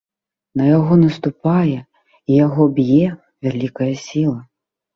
На яго наступае і яго б'е вялікая сіла.